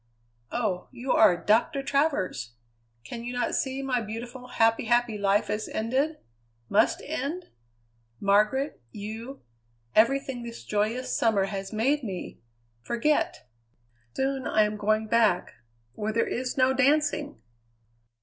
Oh! you are Doctor Travers! Can you not see my beautiful, happy, happy life is ended must end? Margaret, you, everything this joyous summer has made me forget. Soon I am going back where there is no dancing!"